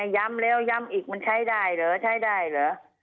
ย้ำแล้วย้ำอีกมันใช้ได้เหรอใช้ได้เหรอ